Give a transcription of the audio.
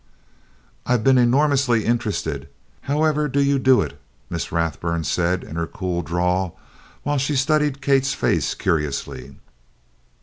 "I've been enormously interested however do you do it?" Miss Rathburn said in her cool drawl, while she studied Kate's face curiously.